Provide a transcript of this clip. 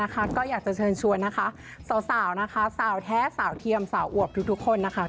ก็อยากจะเชิญชวนนะคะสาวนะคะสาวแท้สาวเทียมสาวอวบทุกคนนะคะ